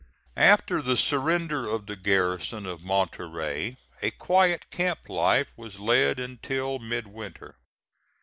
After the surrender of the garrison of Monterey a quiet camp life was led until midwinter.